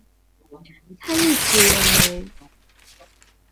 他亦认为自说经部份观点亦可在奥义书及耆那教经典中见到。